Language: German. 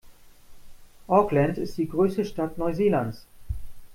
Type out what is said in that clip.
Auckland ist die größte Stadt Neuseelands.